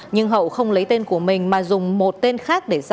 nhưng hậu không lấy tên của mình mà dùng một tên khác để giao dịch